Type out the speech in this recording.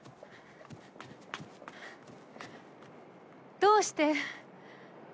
どうして。